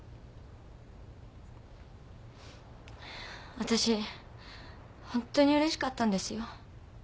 わたしホントにうれしかったんですよ。